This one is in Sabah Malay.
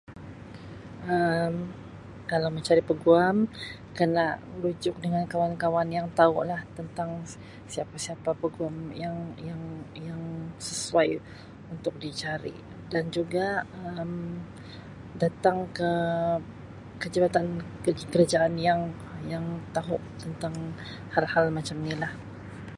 Kalau mencari peguam kena rujuk dengan kawan-kawan yang taulah tentang siapa-siapa peguam yang-yang-yang sesuai untuk dicari dan juga Um datang ke jabatan kerajaan yang-yang tahu tentang hal-hal macam nilah.